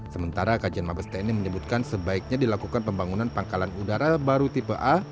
sementara kajian mabes tni menyebutkan sebaiknya dilakukan pembangunan pangkalan udara baru tipe a